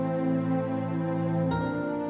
tungguplan siap sampe reasonnya waktunya